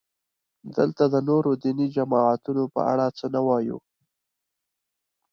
دلته د نورو دیني جماعتونو په اړه څه نه وایو.